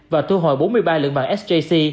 và thu hồi bốn mươi ba lượng vàng sjc